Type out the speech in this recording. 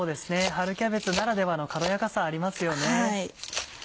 春キャベツならではの軽やかさありますよね。